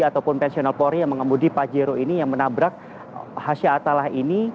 ataupun pensional pori yang mengemudi pak jero ini yang menabrak hasha atala ini